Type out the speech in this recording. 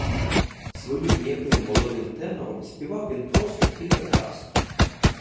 Своїм м'яким молодим тенором співав він просто і прекрасно.